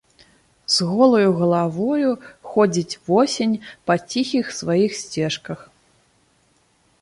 З голаю галавою ходзіць восень па ціхіх сваіх сцежках.